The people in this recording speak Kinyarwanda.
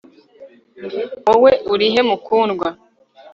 Wowe urihe mukundwa